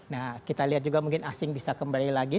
nah kita lihat juga mungkin asing bisa kembali lagi